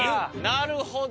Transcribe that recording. なるほど！